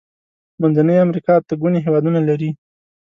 منځنۍ امريکا اته ګونې هيوادونه لري.